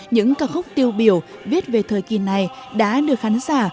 những ca khúc tiêu biểu viết về thời kỳ này đã được khán giả